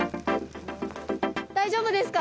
大丈夫ですか？